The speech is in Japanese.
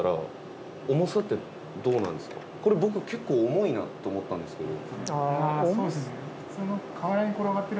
これ僕結構重いなと思ったんですけど。